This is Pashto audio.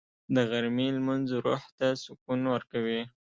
د غرمې لمونځ روح ته سکون ورکوي